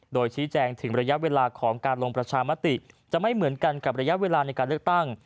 โดยชี้แจงถึงระยะเวลาของการลงประชามติจะไม่เหมือนกันกับระยะเวลาในการเลือกตั้ง